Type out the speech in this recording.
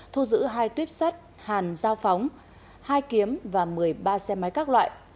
thu giữ hai tuyếp sắt hàn dao phóng hai kiếm và một mươi ba xe máy các loại